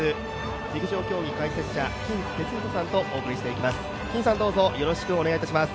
陸上競技解説者・金哲彦さんとお送りしてまいります。